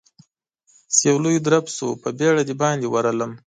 چې يو لوی درب شو، په بيړه د باندې ورغلم.